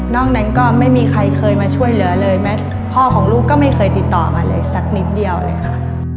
นั้นก็ไม่มีใครเคยมาช่วยเหลือเลยแม้พ่อของลูกก็ไม่เคยติดต่อมาเลยสักนิดเดียวเลยค่ะ